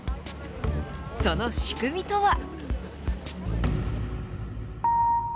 その仕組みとは。